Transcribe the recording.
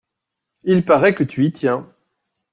Il paraît que tu y tiens…